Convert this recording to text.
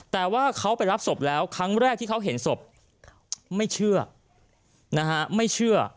แต่ว่าเขาไปรับศพแล้วครั้งแรกที่เขาเห็นศพไม่เชื่อ